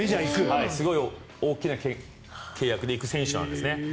すごい大きな契約で行く選手なんですね。